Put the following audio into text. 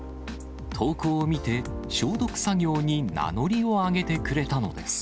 投稿を見て、消毒作業に名乗りを上げてくれたのです。